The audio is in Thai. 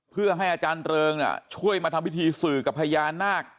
เพื่อให้อาจารย์เริงช่วยมาทำพิธีสื่อกับพญานาค